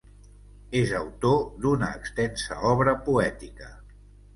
És autor d'una extensa obra poètica.